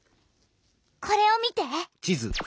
これを見て！